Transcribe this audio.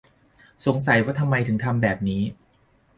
สงสัยว่าทำไมถึงทำแบบนี้